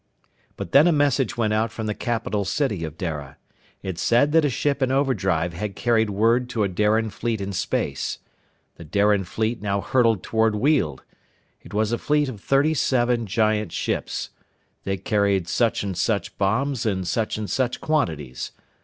But then a message went out from the capital city of Dara. It said that a ship in overdrive had carried word to a Darian fleet in space. The Darian fleet now hurtled toward Weald. It was a fleet of thirty seven giant ships. They carried such and such bombs in such and such quantities.